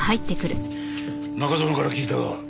中園から聞いた。